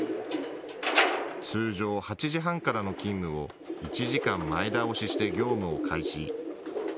通常、８時半からの勤務を１時間前倒しして業務を開始。